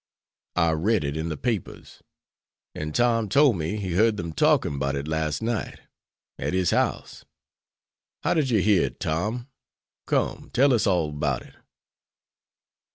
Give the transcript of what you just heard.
"I read it in the papers. And Tom told me he heard them talking about it last night, at his house. How did you hear it, Tom? Come, tell us all about it."